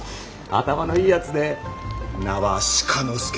頭のいいやつで名は鹿之助。